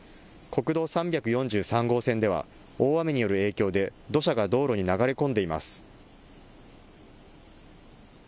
国道３４３号線では大雨による影響で土砂が道路に流れ込んでいます。